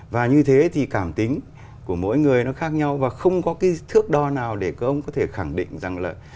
và như thế thì cảm tính của mỗi người nó khác nhau và không có cái thước đo nào để ông có thể khẳng định rằng là